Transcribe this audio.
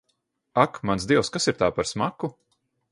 Ak, mans Dievs, kas ir tā, par smaku?